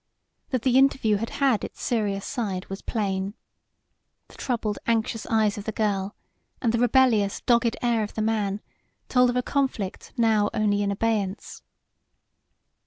That the interview had had its serious side was plain. The troubled, anxious eyes of the girl and the rebellious, dogged air of the man told of a conflict now only in abeyance.